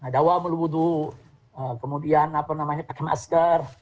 dawa melubudu kemudian pakai masker